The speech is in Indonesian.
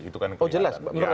itu kan kelihatan